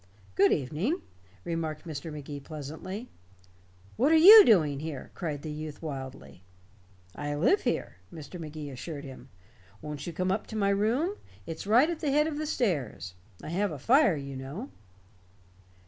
"Good evening," remarked Mr. Magee pleasantly. "What are you doing here?" cried the youth wildly. "I live here," Mr. Magee assured him. "Won't you come up to my room it's right at the head of the stairs. I have a fire, you know."